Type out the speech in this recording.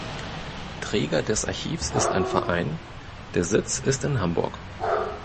Träger des Archivs ist ein Verein; der Sitz ist in Hamburg.